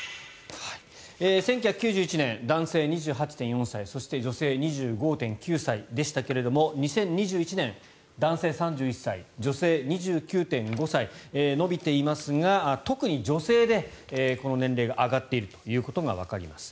１９９１年、男性２８．４歳女性２５．９歳でしたが２０２１年男性３１歳、女性２９．５歳伸びていますが特に女性でこの年齢が上がっているということがわかります。